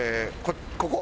ここ？